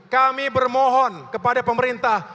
kami bermohon kepada pemerintah